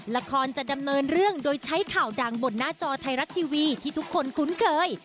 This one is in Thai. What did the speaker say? ละครจะดำเนินเรื่องโดยใช้ข่าวดังบนหน้าจอไทยรัฐทีวีที่ทุกคนคุ้นเคย